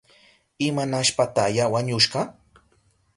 ¿Imanashpataya wañushka?